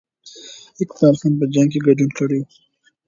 اقبال خان په جنګ کې ګډون کړی وو.